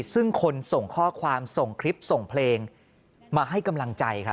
ซึ่งคนส่งข้อความส่งคลิปส่งเพลงมาให้กำลังใจครับ